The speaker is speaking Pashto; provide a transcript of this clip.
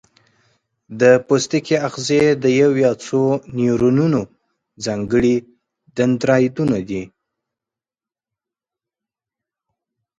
د پوستکي آخذې د یو یا څو نیورونونو ځانګړي دندرایدونه دي.